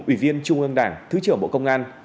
ủy viên trung ương đảng thứ trưởng bộ công an